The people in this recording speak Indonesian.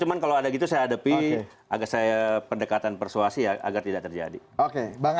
cuma kalau ada gitu saya hadapi agar saya pendekatan persuasi ya agar tidak terjadi oke